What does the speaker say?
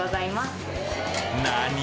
何！？